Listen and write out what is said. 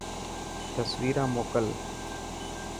تصويران موڪل.